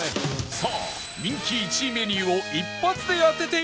さあ人気１位メニューを一発で当てて頂こう